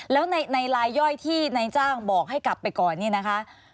แล้วในลายย่อยที่นายจ้างบอกให้กลับไปก่อนเนี่ยนะคะ